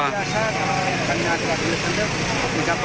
harga se kilo berapa